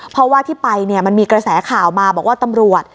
เพราะว่าที่ไปเนี่ยมันมีกระแสข่าวมาบอกว่าตำรวจ